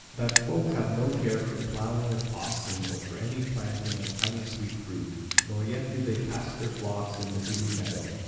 That folk have no care for ploughing with oxen or for any planting of honey sweet fruit; nor yet do they pasture flocks in the dewy meadow.